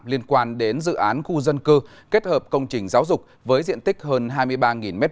liên quan đến dự án khu dân cư kết hợp công trình giáo dục với diện tích hơn hai mươi ba m hai